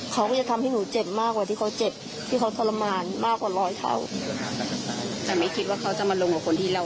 เขาก็จะทำให้หนูเจ็บมากกว่าที่เขาเจ็บที่เขาทรมานมากกว่าร้อยเท่า